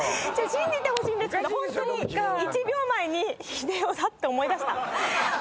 信じてほしいんですけどホントに１秒前に「英世」だって思い出した。